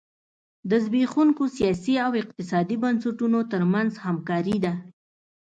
د زبېښونکو سیاسي او اقتصادي بنسټونو ترمنځ همکاري ده.